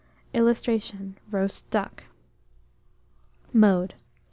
[Illustration: ROAST DUCK.] Mode.